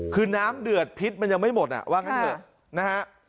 คือน้ำเดือดพิษมันยังไม่หมดว่าขั้นเหลือ